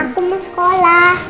aku mau sekolah